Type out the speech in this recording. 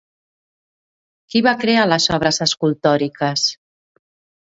Qui va crear les obres escultòriques?